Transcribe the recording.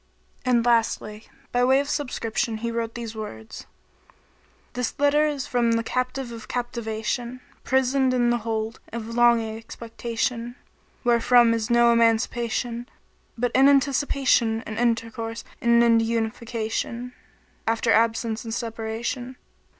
" And, lastly, by way of subscription he wrote these words. "This letter is from the captive of captivation * prisoned in the hold of longing expectation * wherefrom is no emancipation * but in anticipation and intercourse and in unification * after absence and separation.